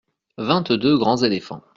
Vingt-deux grands éléphants.